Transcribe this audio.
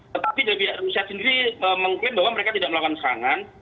tetapi rusia sendiri mengklaim bahwa mereka tidak melakukan serangan